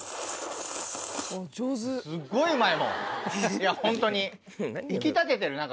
いやホントに。